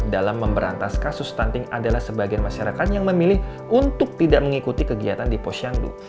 dalam memberantas kasus stunting adalah sebagian masyarakat yang memilih untuk tidak mengikuti kegiatan di posyandu